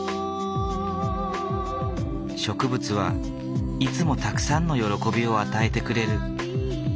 「植物はいつもたくさんの喜びを与えてくれる。